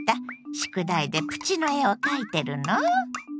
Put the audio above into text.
宿題でプチの絵を描いてるの？